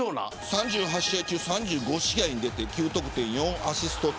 ３８試合中３５試合に出て９得点４アシスト。